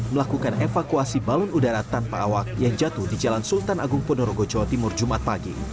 melakukan evakuasi balon udara tanpa awak yang jatuh di jalan sultan agung ponorogo jawa timur jumat pagi